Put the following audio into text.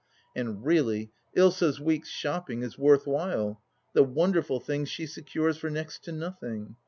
And really Ilsa's week's shopping is worth while — the wonderful things she secures for next to nothing.